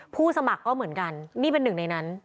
ผู้สมัครก็เหมือนกันนี่เป็นหนึ่งในนั้น